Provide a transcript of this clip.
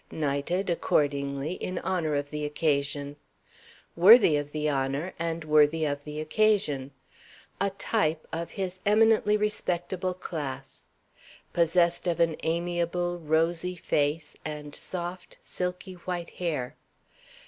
Knighted, accordingly, in honor of the occasion. Worthy of the honor and worthy of the occasion. A type of his eminently respectable class. Possessed of an amiable, rosy face, and soft, silky white hair.